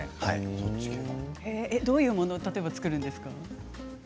どういうものを作るんですか？